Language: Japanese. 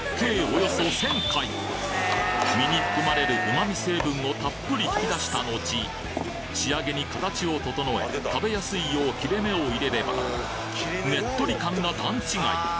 およそ身に含まれる旨味成分をたっぷり引き出したのち仕上げに形を整え食べやすいよう切れ目を入れればねっとり感が段違い！